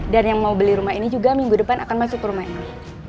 yang mau beli rumah ini juga minggu depan akan masuk ke rumah ini